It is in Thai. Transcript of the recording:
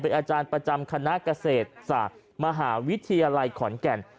อาจารย์ประจำคณะเกษตรศาสตร์มหาวิทยาลัยขอนแก่น